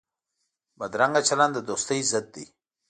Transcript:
بدرنګه چلند د دوستۍ ضد دی